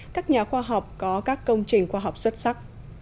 các nhà khoa học có các công trình khoa học xuất sắc